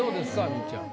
みっちゃん。